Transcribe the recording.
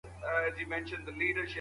دا تړل له هغې مهم دي.